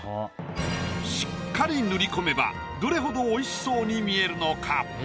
しっかり塗り込めばどれほどおいしそうに見えるのか？